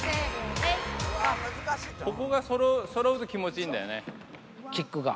ここがそろうと、気持ちいいキックが。